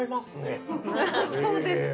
そうですか。